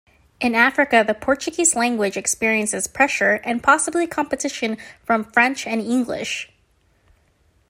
In Africa, the Portuguese language experiences pressure and possibly competition from French and English.